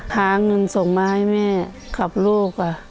หาเงินส่งมาให้แม่กับลูกค่ะ